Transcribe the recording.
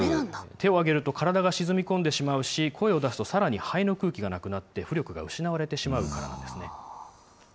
手を挙げると体が沈み込んでしまうし、声を出すとさらに肺の空気がなくなって、浮力が失われてしまうからなんですね。